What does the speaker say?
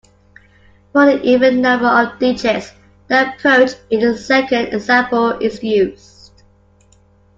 For an even number of digits, the approach in the second example is used.